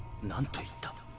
何と言った？